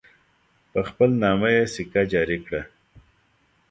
په خپل نامه یې سکه جاري کړه.